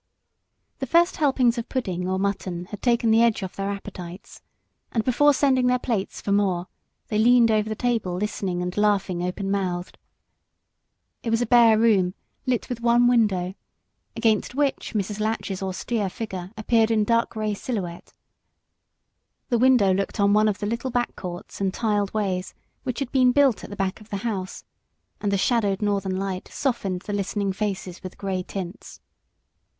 The first helpings of pudding or mutton had taken the edge off their appetites, and before sending their plates for more they leaned over the table listening and laughing open mouthed. It was a bare room, lit with one window, against which Mrs. Latch's austere figure appeared in dark grey silhouette. The window looked on one of the little back courts and tiled ways which had been built at the back of the house; and the shadowed northern light softened the listening faces with grey tints.